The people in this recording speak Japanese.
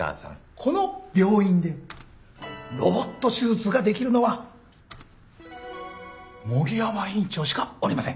この病院でロボット手術ができるのは森山院長しかおりません。